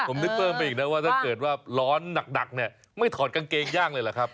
ผมนึกเพิ่มไปอีกนะว่าถ้าเกิดว่าร้อนหนักเนี่ยไม่ถอดกางเกงย่างเลยเหรอครับ